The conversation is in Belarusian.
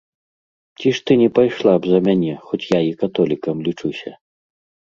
Ці ж ты не пайшла б за мяне, хоць я і католікам лічуся?